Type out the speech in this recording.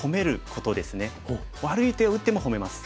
悪い手を打ってもほめます。